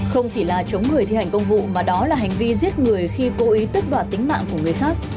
không chỉ là chống người thi hành công vụ mà đó là hành vi giết người khi cố ý tức đoạt tính mạng của người khác